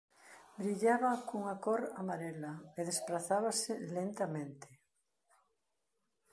Brillaba cunha cor amarela e desprazábase lentamente.